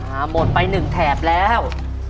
หมดไปหนึ่งแถบแล้ว